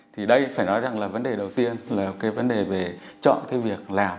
thì đây phải nói rằng là vấn đề đầu tiên là cái vấn đề về chọn cái việc làm